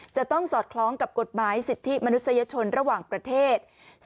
จะต้องสอดคล้องกับกฎหมายสิทธิมนุษยชนระหว่างประเทศ